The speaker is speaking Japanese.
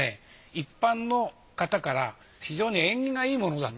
一般の方から非常に縁起がいいものだと。